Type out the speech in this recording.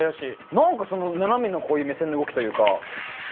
何かその斜めのこういう目線の動きというか。